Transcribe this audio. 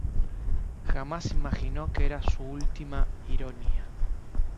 Jamás imaginó que era su última ironía.